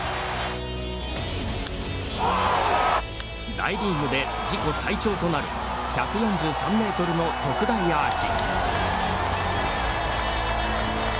大リーグで自己最長となる１４３ｍの特大アーチ。